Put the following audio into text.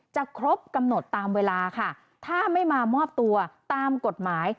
ครบกำหนดตามเวลาค่ะถ้าไม่มามอบตัวตามกฎหมาย